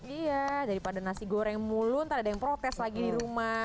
iya daripada nasi goreng mulun tak ada yang protes lagi di rumah